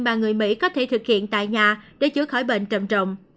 mà người mỹ có thể thực hiện tại nhà để chữa khỏi bệnh trầm trọng